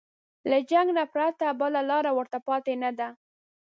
له جنګ نه پرته بله لاره ورته پاتې نه ده.